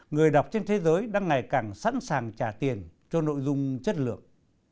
người đọc trên thế giới đang ngày càng sẵn sàng trả tiền cho nội dung chất lượng